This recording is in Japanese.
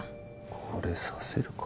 これ刺せるか？